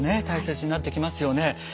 大切になってきますよね。